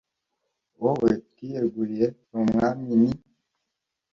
wowe twiyeguriye, uri umwami; ni